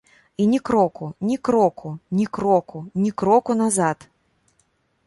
І ні кроку, ні кроку, ні кроку, ні кроку назад.